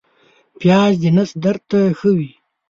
پیاز د نس درد ته ښه وي